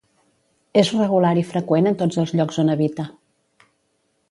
És regular i freqüent en tots els llocs on habita.